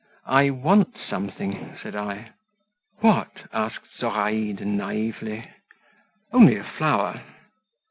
"I want something," said I. "What?" asked Zoraide naively. "Only a flower."